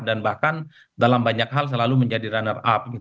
dan bahkan dalam banyak hal selalu menjadi runner up